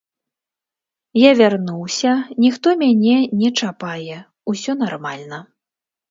Я вярнуўся, ніхто мяне не чапае, усё нармальна.